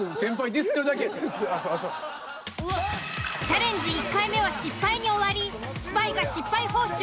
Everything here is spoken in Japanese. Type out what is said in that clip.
チャレンジ１回目は失敗に終わりスパイが失敗報酬